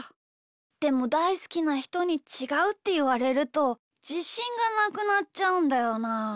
でもだいすきなひとに「ちがう」っていわれるとじしんがなくなっちゃうんだよな。